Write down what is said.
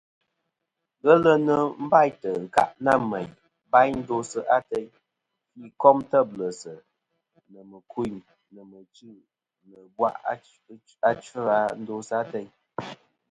Ghelɨ nɨn bâytɨ̀ ɨnkâʼ nâ mèyn bayn ndosɨ ateyn, fî kom têblɨ̀sɨ̀, nɨ̀ mɨ̀kûyn, nɨ̀ mɨchî, nɨ̀ ɨ̀bwàʼ achfɨ a ndosɨ ateyn.